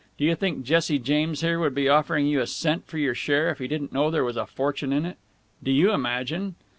Do you think Jesse James here would be offering you a cent for your share if he didn't know there was a fortune in it? Do you imagine...?"